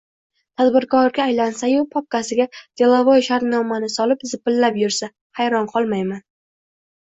tadbirkorga aylansa-yu, papkasiga “delavoy shartnoma” solib, zipillab yursa, hayron qolmayman.